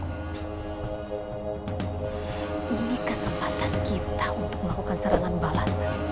ini kesempatan kita untuk melakukan serangan balas